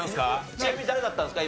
ちなみに誰だったんですか？